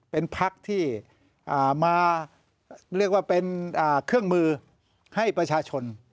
เป็นพักที่มาเรียกว่าเป็นเครื่องมือให้ประชาชน